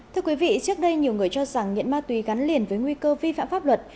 thưa quý vị trước đây nhiều người cho rằng nghiện ma túy gắn liền với nguy cơ vi phạm pháp luật